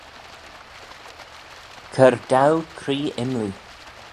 Cur dow cree imlee.